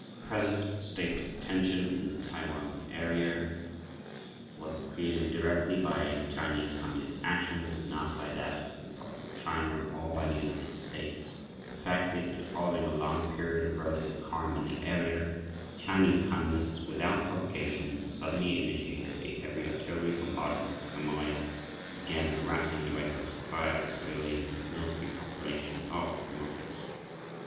The present state of tension in the Taiwan area was created directly by Chinese Communist action, not by that of the Republic of China or by the United States. The fact is that following a long period of relative calm in that area, the Chinese Communists, without provocation, suddenly initiated a heavy artillery bombardment of Quemoy and began harassing the regular supply of the civilian and military population of the Quemoys.